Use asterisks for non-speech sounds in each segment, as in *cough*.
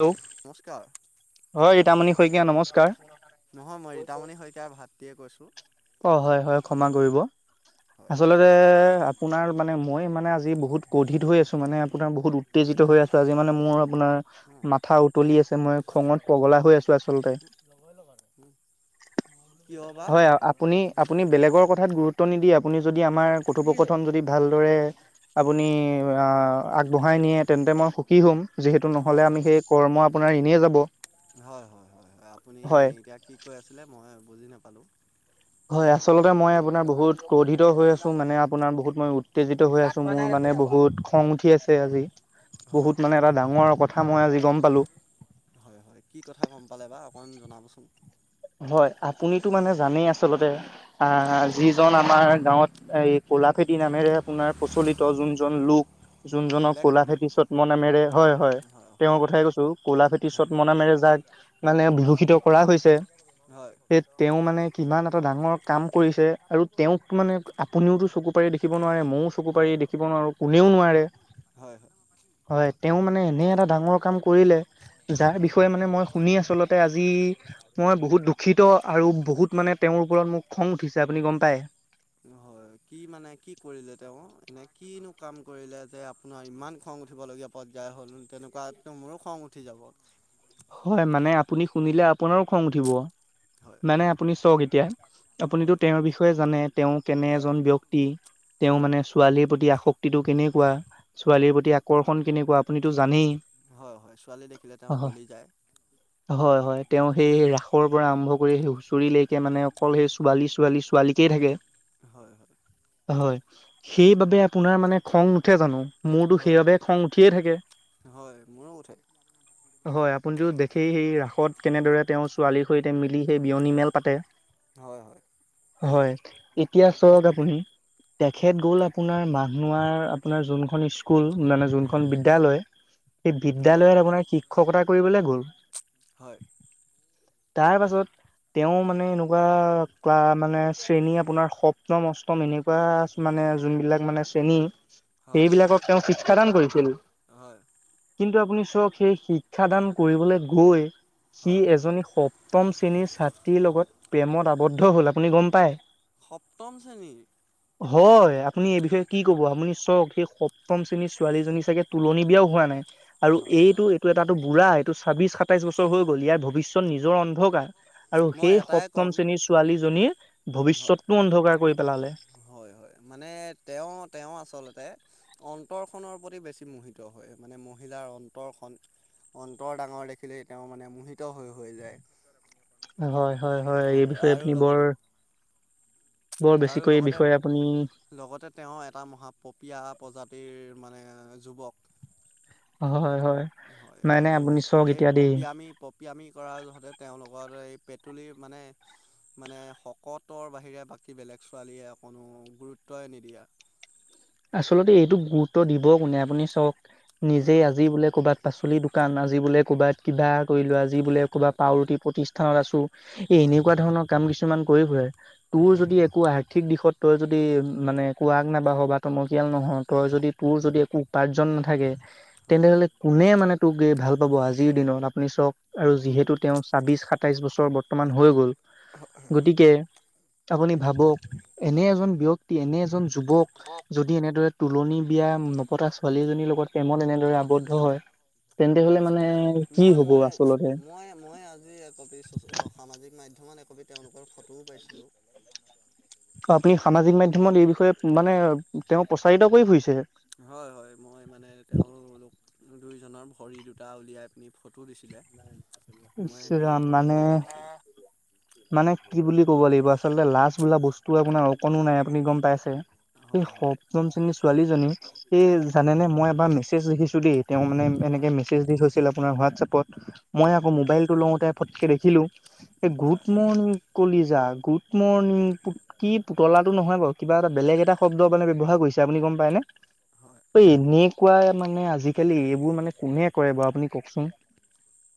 Hello নমস্কাৰ হয় ৰীতামণি শইকীয়া নমস্কাৰ নহয় মই ৰীতামণি শইকীয়াৰ ভাতটিয়ে কৈছোঁ অ হয় হয় ক্ষমা কৰিব হয় আচলতে আপোনাৰ মানে মই মানে আজি বহুত ক্ৰুধিত হৈ আছো মানে আপোনাৰ বহুত উত্তেজিত হৈ আছো আজি মানে মোৰ আপোনাৰ অ', মাথা উতলি আছে অ মই খঙত পগলা হৈ আছোঁ আচলতে এছ লগাই লগাই আৰু কিয় বা হয় আপুনি আপুনি বেলেগৰ কথাত গুৰুত্ব নিদি আপুনি যদি আমাৰ কথোপকথন যদি ভালদৰে আপুনি আগবঢ়াই নিয়ে তেন্তে মই সুখী হ'ম যিহেতু নহ'লে হয় আমি হয় সেই কৰ্ম আপোনাৰ এনেই যাব হয় হয় হয় হয় আপুনি হয় এতিয়া কি কৈ আছিলে মই বুজি নাপালোঁ হয় আচলতে মই আপোনাৰ বহুত ক্ৰধিত হৈ আছো মানে আপোনাৰ বহুত মই উত্তেজিত হৈ আছো মোৰ মানে বহুত খং উঠি আছে আজি হয় বহুত মানে এটা ডাঙৰ কথা মই আজি গম পালো হয় হয় কি কথা গম পালে বা অকণমান জনাবচোন হয় আপুনিতো মানে জানেই আচলতে আহ যিজন আমাৰ গাঁৱত এই কলাফেতি নামেৰে আপোনাৰ প্ৰচলিত যোনজন লোক জোনজনক ব্লেক কলা ফেটি ভেটি চত্ম নামেৰে হয় হয় তেওঁৰ হয় কথাই হয় কৈছো কলা ভেটি হয় চত্ম নামেৰে যাক মানে বিভূষিত কৰা হৈছে হয় হেত- তেওঁ মানে কিমান এটা ডাঙৰ কাম কৰিছে আৰু তেওঁক মানে আপুনিওটো চকু পাৰে দেখ দেখিব নোৱাৰে ময়ো চকু হয় হয় পাৰি দেখিব নোৱাৰো কোনেও নোৱাৰে হয় হয় হয় তেওঁ মানে এনে এটা ডাঙৰ কাম কৰিলে যাৰ বিষয়ে মানে মই শুনি আচলতে আজি মই বহুত দুখিত আৰু বহুত মানে তেওঁৰ ওপৰত মোৰ খং উঠিছে আপুনি গম পায় হয় কি মানে কি কৰিলে তেওঁ এনে কিনো কাম কৰিলে যে আপোনাৰ ইমান খং উঠিবলগীয়া পৰ্যায় হ'ল তেনেকুৱাতো মোৰো খং উঠি যাব হয় মানে আপুনি শুনিলে আপোনাৰো খং উঠিব হয় মানে আপুনি চাওক এতিয়া আপুনিতো হয় তেওঁৰ বিষয়ে জানে তেওঁ কেনে হয় এজন ব্যক্তি তেওঁ হয় মানে ছোৱালীৰ প্ৰতি আসক্তিটো কেনেকুৱা হয় হয় ছোৱালীৰ প্ৰতি আকৰ্ষণ কেনেকুৱা আপুনিতো জানেই অ' হয় ছোৱালী দেখিলে তেওঁ গলি যায় হয়-হয় তেওঁ সেই ৰাসৰ পৰা আৰম্ভ কৰি সেই হুঁচৰিলৈকে মানে অকল সেই ছোৱালী-ছোৱালী-ছো ছোৱালীকেই থাকে হয় হয় হয়, সেইবাবে আপোনাৰ মানে খং নোঠে জানো মোৰতো হয় সেইবাবে খং উঠিয়ে থাকে হয় মোৰো উঠৈ হয় আপোনিতো দেখেই সেই ৰাসত কেনেদৰে তেওঁৰ ছোৱালীৰ সৈতে মিলি সেই বিয়নী মেল পাতে হয় হয়। হয় এতিয়া চাওক আপুনি তেখেত গ'ল আপোনাৰ মাঘনোৱাৰ আপোনাৰ যোনখন স্কুল মানে হয় যোনখন বিদ্যালয় সি হয় বিদ্যালয়ত আপোনাৰ শিক্ষকতা কৰিবলে গ'ল। *unintelligible* তাৰপাছত তেওঁ মানে এনেকুৱা ক্লা মানে শ্ৰেণী আপোনাৰ সপ্তম, অষ্টম এনেকুৱা মানে যোনবিলাক মানে শ্ৰেণী, হয় সেইবিলাকক তেওঁ শিক্ষা দান কৰিছিল। হয় কিন্তু আপুনি চক সেই শিক্ষাদান কৰিবলৈ গৈ সি, হয় এজনী সপ্তম শ্ৰেণীৰ ছাত্ৰীৰ লগত প্ৰেমত আৱদ্ধ হ'ল, আপুনি গ'ম পাই? তম শ্ৰেণীৰ। হয়। আপুনি এই বিষয়ে কি কব? আপুনি চওঁক সেই সপ্তম শ্ৰেণীৰ ছোৱালীজনী চাগে তুলনি বিয়াও হোৱা নাই, আৰু হয় এইটো, হয় এইটো এটা তাতো বুঢ়া এইটো ছাব্বিশ, সাতাইছ বছৰ হৈ গ'ল। ইয়াৰ ভৱিষ্যত নিজৰ অন্ধকাৰ। আৰু মই সেই এটাই সপ্তম ক'ম শ্ৰেণীৰ ছোৱালীজনীৰ ভৱিষ্যতটো অন্ধকাৰ কৰি পেলালে। এই মানে তেওঁ, তেওঁ আচলতে অন্তৰ খনৰ প্ৰতি বেছি মোহিত হয়, মানে মহিলাৰ অন্তৰখন অন্তৰ ডাঙৰ দেখিলেই, তেওঁ মানে মোহিত হৈ হৈ যায়। হয়, হয়, হয়। এই বিষয়ে আৰু আপুনি বৰ লগতে বৰ আৰু বেছিকৈ এই লগতে বিষয়ে আপুনি লগতে তেওঁ এটা মহা পপীয়া প্ৰজাতিৰ মানে যুৱক। হয়, হয়, হয়। এ নাই নাই আৰু আপুনি চাওক এই এতিয়া দেই পপিয়ামি পপিয়ামি কৰা হঁতে তেওঁলোকৰ এই পেটুলি মানে মানে শকতৰ বাহিৰে বাকী বেলেগ ছোৱালীয়ে অকনো গুৰুত্বই নিদিয়ে। আচলতে এইটো গুৰুত্ব দিব কোনে, আপুনি চাঁওক হয় নিজেই আজি বোলে ক'ৰবাত পাচলি দোকান, আজি বোলে ক'বাত কিবা কৰিলো আজি বোলে হয় ক'বাত পাউৰুটি প্ৰতিষ্ঠানত আছোঁ। এই হয় এনেকুৱা ধৰণৰ কাম কিছুমান কৰি ফুৰে। তোৰ হয় যদি একো আৰ্থিক দিশত তই যদি মানে একো আগ নেবাহ বা টমকিয়াল নহ, তই যদি তোৰ হয় যদি একো উপাৰ্জন নাথাকে হয় তেনেহ'লে কোনে মানে তোক এই ভাল পাব আজিৰ দিনত আপুনি চক আৰু উম যিহেতু তেওঁৰ ছাব্বিশ- সাতাইশ বছৰ বৰ্তমান হৈ গ'ল। গতিকে আপুনি ভাবক। এনে এজন ব্যক্তি এনে এজন যুৱক যদি এনেদৰে তুলনী বিয়া নপতা ছোৱালী এজনীৰ লগত প্ৰেমত এনেদৰে আৱদ্ধ হয়। তেন্তে হ'লে হয় মানে কি মই হব মই, আচলতে মই, মই আ আজি একপি, অ', সামাজিক মাধ্যমত একপি তেওঁলোকৰ ফটোও পাইছিলো। আপুনি সামাজিক মাধ্যমত এই বিষয়ে মানে, তেওঁ প্ৰচাৰিত কৰি ফুৰিছে। হয়, হয়, মই মানে তেওঁলোক দুইজনৰ ভৰি দুটা উলিয়াই পিনে ফটো দিছিলে। মই সেই, ইছৰাম ফটো মানে কপি পাইছো। মানে কি বুলি ক'ব লাগিব? আচলতে লাজ বোলা বস্তু আপোনাৰ অকণো নাই আপুনি গ'ম পাইছে? সেই হয় হয় সপ্তম শ্ৰেণী ছোৱালীজনী এই জানানে, মই এবাৰ মেছেজ দেখিছো দেই, তেওঁ মানে এনেকে হয় মেছেজ দি থৈছিল আপোনাৰ হোৱাটছাপত মই হয় আকৌ মোবাইল টো লওঁতে ফটকে দেখিলো এই গুৰু হয় গুড মৰ্ণিং কলিজা, গুড মৰ্ণিং কু কি পুতলাটো নহয় বাৰু, কিবা এটা বেলেগ এটা শব্দ মানে ব্যৱহাৰ কৰিছে আপুনি গম পায়নে? হয় এই এনেকুৱাই মানে আজিকালি এইবোৰ নাম মানে কোনে কৰে বাৰু আপুনি কওকচোন? *inaudible*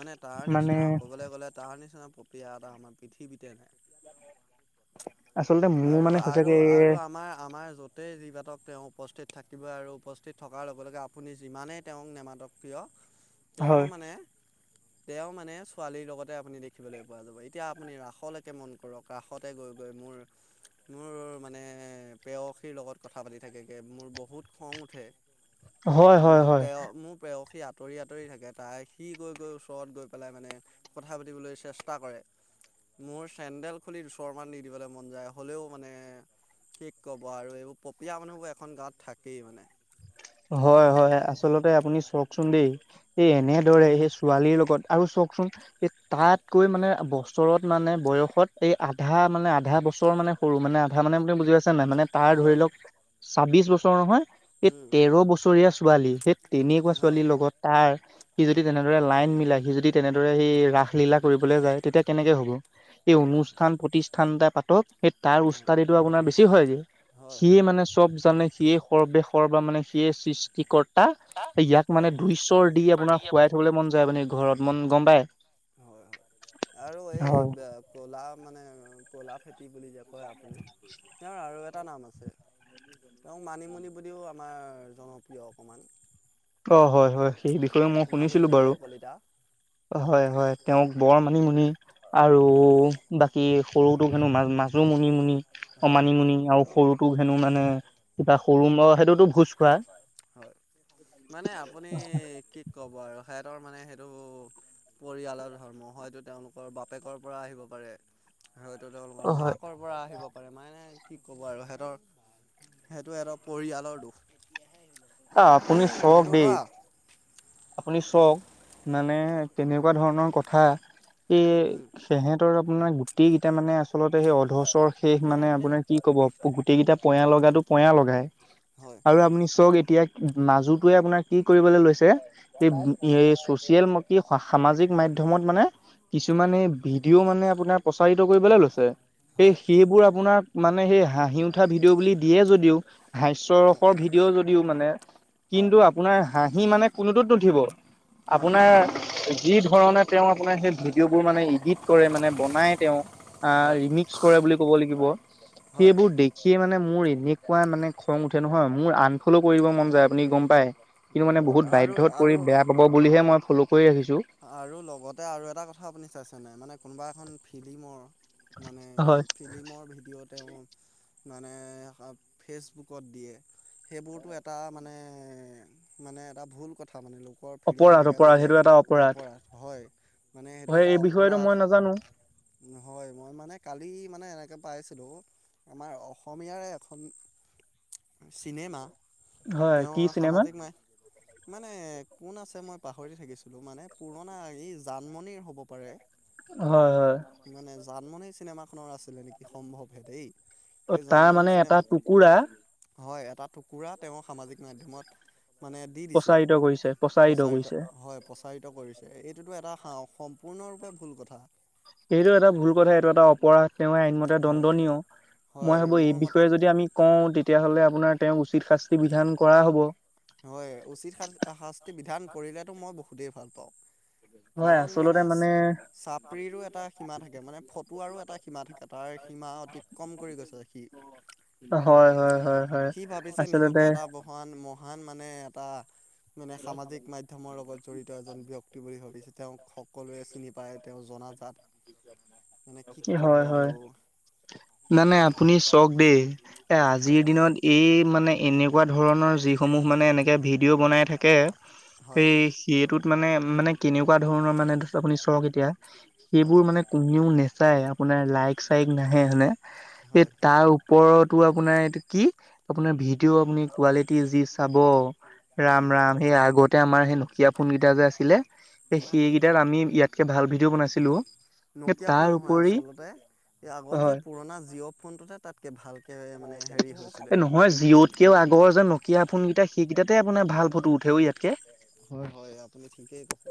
মানে তাৰ মানে নিচিনা ক'বলৈ গ'লে তাৰ নিচিনা পপীয়া এটা আমাৰ পৃথিৱীতে নাই। আচলতে মোৰ আৰু মানে আৰু সঁচাকে আৰু আমাৰ আমাৰ য গোটেই যিবাতক তেওঁ উপস্থিত থাকিবই আৰু উপস্থিত থকাৰ লগে লগে আপুনি যিমানেই তেওঁক নেমাতক কিয় তেওঁ হয় মানে তেওঁ মানে ছোৱালীৰ লগতে আপুনি দেখিবলৈ পোৱা যাব এতিয়া আপুনি ৰাসলৈকে মন কৰক ৰাসতে গৈ গৈ মোৰ মোৰ মানে প্ৰেয়সীৰ লগত কথা পাতি থাকেগৈ মোৰ বহুত খং উঠে। হয় হয় মোৰ হয় প্ৰেয় মোৰ প্ৰেয়সী আঁতৰি আঁতৰি থাকে তাই সি গৈ গৈ ওচৰত গৈ পেলাই মানে কথা পাতিবলৈ চেষ্টা কৰে। মোৰ চেন্ডেল খুলি দুচৰ মান দি দিবলে মন যায় হ'লেও মানে কি ক'ব আৰু এইবোৰ পপিয়া মানুহবোৰ এখন গাঁৱত থাকেই মানে। হয় হয় আচলতে আপুনি চওকচোন দেই এই এনেদৰে সেই ছোৱালীৰ লগত আৰু চোৱকচোন এই তাতকৈ মানে বছৰত মানে বয়সত এই আধা মানে আধা বছৰ মানে সৰু মানে আধা মানে বুজি পাইছে নে নাই মানে তাৰ হয় ধৰি লওঁক, হয় ছাব্বিশ বছৰ নহয় এই উম তেৰ বছৰীয়া ছোৱালী সেই তেনেকুৱা ছোৱালীৰ হয় লগত তাৰ সি যদি তেনেদৰে লাইন মিলাই সি যদি তেনেদৰে সি ৰাসলীলা কৰিবলৈ যায়, তেতিয়া কেনেকে হ'ব। এই হয় অনুষ্ঠান প্ৰতিষ্ঠান এটা পাতক। সেই তাৰ হয় উস্তাদিটো আপোনাৰ বেছি হয় গে, হয় হয় সিয়ে মানে চব জানে সিয়ে সৰ্বে সৰ্বা মানে সিয়ে সৃষ্টিকৰ্তা ইয়াক মানে হয় হয় দুই চৰ দি আপোনাৰ হোৱাই থবলে মন যায় মানে ঘৰত মন গম পায়। হয় হয় আৰু এই হয়। কলা মানে কলা ফেটি বুলি যে হয় আপুনি, তেওঁৰ আৰু এটা নাম আছে। তেওঁক মানিমুনি বুলিও আমাৰ জনপ্ৰিয় অকণমান। অঁ, হয় হয় সেই বিষয়ে মই শুনিছিলো মানিমুনি বাৰু। বৰকলিতা হয় হয় তেওঁক বৰ মানিমুনি আৰু হয় বাকী সৰুটোক হেনো মা মাজো মানি মুুনি অঁ হয় মানি হয় মুুনি আৰু সৰুত টো হেনো মানে কিবা সৰু লৰা সেইটোতো ভোজ খোৱা। হয়, মানে আপুনি কি ক'ব আৰু সেহঁতৰ মানে সেইটো পৰিয়ালৰ ধৰ্ম হয়তো, তেওঁলোকৰ বাপেকৰ পৰা আহিব পাৰে। হয়তো অ তেওঁলোকৰ হয়। মাকৰ পৰা আহিব পাৰে, মানে কি ক'ব আৰু সিহঁতৰ সেইটো সিহঁতৰ পৰিয়ালৰ দুখ। অ আপুনি উম চক সেইটো দেই অতৰা আপুনি চোৱক মানে কেনেকুৱা ধৰণৰ কথা, এই উম তেহেঁতৰ আপোনাৰ গোটেইগিতা মানে আচলতে সেই অধচৰ শেষ মানে আপোনাৰ কি ক'ব গোটেই কেইটাটা পয়া লগাটো পয়া লগাই। হয়। আপোনি চৱক এতিয়া মাজুটোৱে আপোনাৰ কি কৰিবলে লৈছে এই হয় এ চচিয়েল ম কি সামাজিক মাধ্যমত মানে, কিছুমানে ভিডিঅ' মানে আপোনাৰ প্ৰচাৰিত কৰিবলৈ লৈছে, সেই হয় সেইবোৰ আপোনাৰ মানে সেই হাঁহি উঠা ভিডিঅ' বুলি দিয়ে যদিও, হাস্যৰসৰ ভিডিঅ' যদিও মানে হয় কিন্তু আপোনাৰ হাঁহি মানে কোনোটোত নুঠিব, হয় হয় আপোনাৰ যি ধৰণে তেওঁ আপোনাৰ সেই ভিডিঅ'বোৰ মানে ইডিত কৰে মানে বনাই তেওঁ। আঁ হয় ৰিমিক্স কৰে বুলি ক'ব লাগিব, সেইবোৰ দে সিয়ে মানে মোৰ এনেকুৱা মানে খং উঠে নহয়, মোৰ আনফলো কৰিব মন যায় আপুনি গম পাই। উম আৰু আৰু বেয়া পাব বুলিহে মই ফল' কৰি ৰাখিছোঁ আৰু লগতে আৰু এটা কথা আপুনি চাইছে নাই মানে কোনোবা এখন ফিলিমৰ মানে হয় ফিলিমৰ ভিডিঅ হওঁক মানে ফেচবুকত দিয়ে সেইবোৰতো এটা মানে মানে এ এটা ভুল কথা মানে লোকৰ ফ্ৰীম অপৰাধ এনেকে অপৰাধ দিলে সেইটো এটা অপৰাধ হয়, মানে সেইটো হয় এটা এই বিষয়েতো অপৰাধ মই নাজানো হয় মই মানে কালি মানে এনেকে পাইছিলো আমাৰ অসমীয়াৰে এখন চিনেমা হয় কি তেওঁৰ চিনেমা? সামাজিক মাই, মানে কোন আছে মই পাহৰি থাকিলো মানে পুৰণা ই জানমনিৰ হ'ব পাৰে হয় হয় মানে জানমণি চিনেমাখনৰ আছিলে নেকি সম্ভৱহে দেই অ সেই তাৰ জানমণি মানে চিনেমা এটা টুকুৰা হয় এটা টুকুৰা তেওঁ সামাজিক মাধ্যমত মানে দি দিছে, প্ৰচাৰিত কৰিছে প্ৰচাৰিত কৰিছে হয় প্ৰচাৰিত কৰিছে এইটোতো এটা সাহ সম্পূৰ্ণৰূপে ভুল কথা এইটো এটা ভুল কথা, এইটো এটা অপৰাধ, তেওঁ আইনমতে হয় দণ্ডনীয়, মই হয় ভাবো এই মোৰ মতে বিষয়ে যদি আমি কওঁ তেতিয়াহ'লে আপোনাৰ তেওঁক উচিত শাস্তি বিধান কৰা হ'ব হয় উচিত শাস্তি বিধান কৰিলেতো মই বহুতেই ভাল পাওঁ হয় কাৰণ আচলতে মানে চা চাপৰিৰো এটা সীমা থাকে, মানে ফটুৱাৰো এটা সীমা থাকে তাৰ সীমা অতিক্ৰম কৰি গৈছে সি হয় হয় হয় হয়, সি ভাবিছে নিজকে আচলতে এটা মহান মহান মানে এটা মানে সামাজিক মাধ্যমৰ লগত জড়িত এজন ব্যক্তি বুলি ভাবিছে তেওঁক সকলোৱে চিনি পায় তেওঁ জনাজাত, মানে কি ক'ব আৰু নাই নাই আপুনি চক দেই এ হয় আজিৰ দিনত এই মানে এনেকুৱা ধৰণৰ যিসমূহ মানে এনেকে ভিডিঅ' বনাই থাকে হয় সে সেইটোত মানে মানে কেনেকুৱা ধৰণৰ মানে আপুনি চক এতিয়া হয় সেইবোৰ মানে কোনেও নেচায় আপোনাৰ লাইক চাইক নাহে হয়নে এই হয় তাৰ ওপৰতো আপোনাৰ এইটো কি আপোনাৰ ভিডিঅ' আপুনি কোৱালিটি যি চাব হয় ৰাম হয় ৰাম সেই আগতে আমাৰ সেই নকিয়া ফোনকেইটা যে আছিলে, এ হয় সেই কেটাত আমি ইয়াতকে ভাল ভিডিঅ' বনাইছিলোঁ অ নকিয়া ফোন নহয় আচলতে এই আগৰ যে হয় পুৰণা জিঅ' ফোনটোতে তাতকে ভালকে মানে হেৰি হৈছিলে এই নহয় জি'ত কে আগৰ যে নকিয়া ফোন কেইটা সেই কেইটাতে আপোনাৰ ভাল ফটো উঠে অ ইয়াতকে হয় হয় আপুনি ঠিকেই কৈছে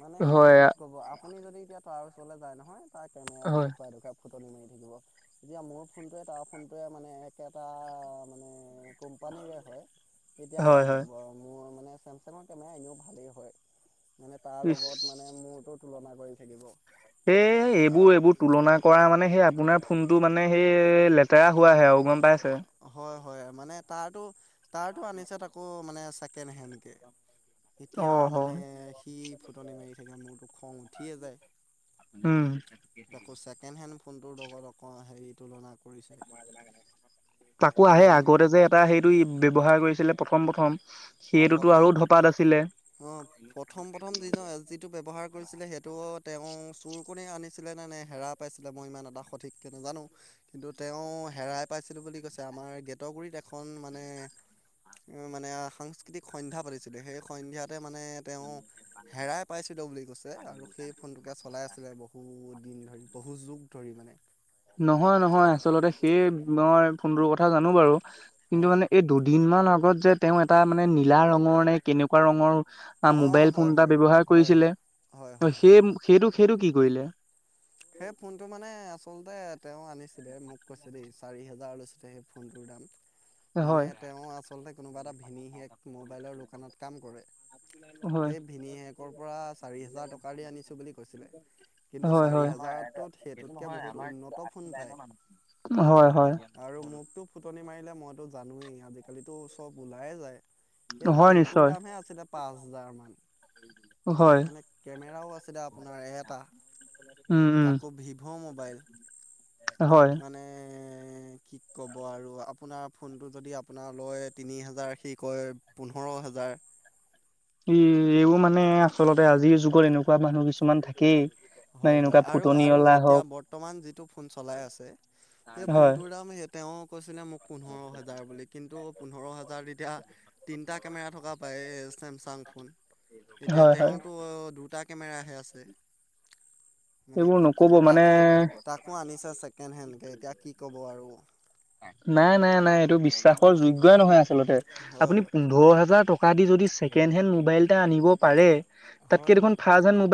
মানে হয় কি ক'ব আপ আপুনি যদি এতিয়া তাৰ ওচৰলে যায় নহয় তাৰ কেমেৰাটো হয় দেখুৱাই দেখুৱাই ফুটনি মাৰি থাকিব এতিয়া মোৰ ফোনটোৱে তাৰ ফোনটোৱে মানে একেটা মানে কোম্পানীৰে হয় তেতিয়া হয় কৈ হয় থাকিব আৰু মোৰ মানে চেমচাঙৰ কেমেৰা এনেও ভালেই হয় মানে তাৰ ইচ লগত মানে মোৰতো তুলনা কৰি থাকিব এ এইবো আৰু এইবোত তুলনা কৰা মানে সেই আপোনাৰ ফোনটো মানে সেই লেতেৰা হোৱাহে আৰু গ'ম পাইছে হয় হয় মানে তাঁৰতটো, তাঁৰটো আনিছে আকৌ মানে ছেকেণ্ড হেণ্ডকে অ এতিয়া মানে হয় সি ফুটনি মাৰি থাকে মূৰটো খং উঠিয়ে যায়। উম। তাকো ছেকেণ্ড হেণ্ড ফোনটোৰ লগত অক হেৰি তুলনা কৰিছে। তাকো বা আহে আগতে যে এটা সেইটো ব্যৱহাৰ কৰিছিলে প্ৰথম প্ৰথম। অ' সেইটোতো প্ৰথম, আৰু ধপাত আছিলে অ'। প্ৰথম প্ৰথম যিজন যিটো ব্যৱহাৰ কৰিছিলে সেইটো তেওঁ চোৰ কণ আনিছিলে নে নে হেৰাপ পাইছিলে মই ইমান এটা সঠিককে নাজানো। কিন্তু তেওঁ হেৰাই পাইছিলো বুলি কৈছে আমাৰ গেটগুৰিত এখন মানে মানে সাংস্কৃতিক সন্ধ্যা পাতিছিলে সেই সন্ধ্যাতে মানে তেওঁ হেৰাই পাইছিলো বুলি কৈছে। আৰু সেই ফোনটোকে চলাই আছিলে বহুদিন ধৰি বহু যুগ ধৰি মানে। নহয় নহয় আচলতে সেই মই ফোনটোৰ কথা জানো বাৰু, কিন্তু হয় মানে এই দুদিন মান আগত যে তেওঁ এটা মানে নীলা ৰঙৰ নে কেনেকুৱা ৰঙৰ। অঁ মোবাইল ফোন হয় এটা হয় ব্যৱহাৰ হয় কৰিছিলে, হয় হয় হয় হয় সেই সেইটো সেইটো কি কৰিলে? সেই ফোনটো মানে আচলতে তেওঁ আনিছিলে মোক কৈছে দেই চাৰি হেজাৰ লৈছিলে সেই ফোনটোৰ দাম। মানে হয় তেওঁ আচলতে কোনোবা এটা ভিনি শেক মোবাইলৰ দোকানত কাম কৰে। হয় সেই ভিনি হেকৰ পৰা চাৰি হাৰ টকা আনিছো বুলি কৈছিলে, কিন্তু হয় চাৰি হয় হাজাৰত সেইটোতকে বহুত উন্নত ফোন পায়। হয় হয় আৰু মোকতো ফুটনি মাৰিলে মইতো জানোৱেই আজিকালিতো চব ওলাই যায়। সেইটো হয় ফোনটোৰ নিশ্চয় দামহে আছিলে পাঁচ হাজাৰ মান। হয় মানে কেমেৰাও আছিলে আপোনাৰ এ এটা। উম উম তাকো ভিভ' মোবাইল, হয় মানে কি ক'ব আৰু আপোনাৰ ফোনটো যদি আপোনাৰ লয় তিনি হেজাৰ সি কয় পোন্ধৰ হেজাৰ। ই এইও মানে আচলতে আজিৰ যুগত এনেকুৱা মানুহ কিছুমান থাকেই। মানে হয় হয় এনেকুৱা আৰু আৰু ফুটনিঅলা এতিয়া হওক বৰ- বৰ্তমান যিটো ফোন চলাই আছে সেই হয় ফোনটোৰ দাম সেই তেওঁ কৈছিলে মোক পোন্ধৰ হেজাৰ বুলি কিন্তু পোন্ধৰ হেজাৰ তেতিয়া তিনিটা কেমেৰা থকা পায়ে চেমচাং ফোন, এতিয়া হয় হয় তেওঁৰতো দুটা কেমেৰাহে আছে। মানে এইবোৰ কি ক'ব নকব মানে তাকো তাকো আনিছে ছেকেণ্ড হেণ্ডকে এতিয়া কি ক'ব আৰু। নাই নাই নাই এইটো বিশ্বাসৰ যোগ্যই নহয় আচলতে, হয় আপুনি হয় পোন্ধৰ হোজাৰ টকা যদি ছেকেণ্ড হেণ্ড মোবাইল এটা আনিব পাৰে, তাতকে হয় দেখোন ফাৰ্ষ হে মবাই-